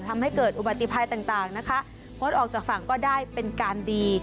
ทำให้เกิดอุบัติภัยต่างนะคะงดออกจากฝั่งก็ได้เป็นการดี